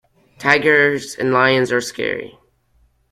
Tigers and lions are scary.